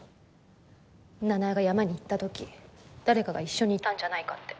奈々江が山に行った時誰かが一緒にいたんじゃないかって。